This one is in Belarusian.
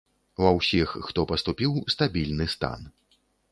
Ва ўсіх, хто паступіў, стабільны стан.